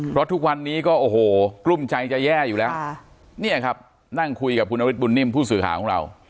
เพราะทุกวันนี้ก็โอ้โหกลุ้มใจจะแย่อยู่แล้วเนี่ยครับนั่งคุยกับคุณนฤทธบุญนิ่มผู้สื่อข่าวของเรา